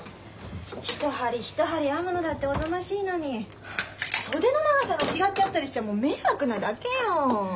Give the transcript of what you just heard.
一針一針編むのだっておぞましいのに袖の長さが違っちゃったりしちゃもう迷惑なだけよ。